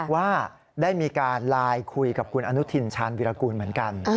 ว่าได้มีการไลน์คุยกับคุณอนุทินชาญวิรากูลเหมือนกัน